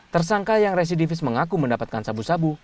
tersangka yang residivis mengaku mendapatkan sabu sabu